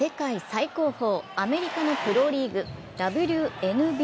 最高峰アメリカのプロリーグ、ＷＮＢＡ。